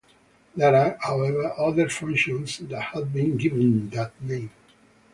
There are, however, other functions that have been given that name.